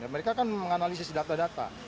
mereka kan menganalisis data data